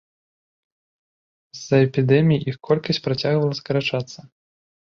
З-за эпідэмій іх колькасць працягвала скарачацца.